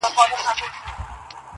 حسن خو زر نه دى چي څوك يې پـټ كــړي.